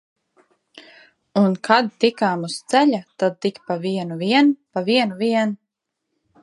Un kad tikām uz ceļa, tad tik pa vienu vien, pa vienu vien!